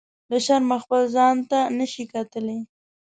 له شرمه خپل ځان ته نه شي کتلی.